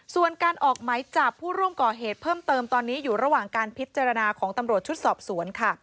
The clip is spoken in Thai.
ส่วนการออกไหมจับผู้ร่วมก่อเหตุเพิ่มเติมตอนนี้อยู่ระหว่างการพิจารณาของตำรวจชุดสอบสวนค่ะ